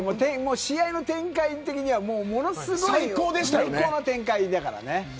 試合の展開的にはものすごい最高の展開だからね。